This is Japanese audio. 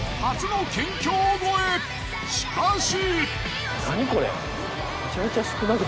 しかし。